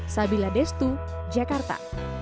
sabila destu jakarta